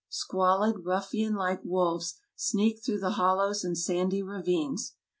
Squalid, ruffian like wolves sneaked through the hollows and sandy ravines.